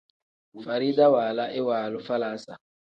Farida waala iwaalu falaasa.